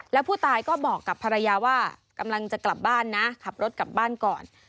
แล้วผู้ตายก็บอกกับภรรยาว่ากำลังจะกลับบ้านนะขับรถกลับบ้านก่อน